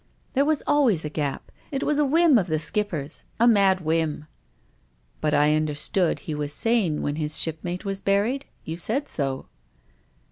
" There was always a gap. It was a whim of the Skipper's — a mad whim." " But I understood he was sane when his ship mate was buried ? You said so."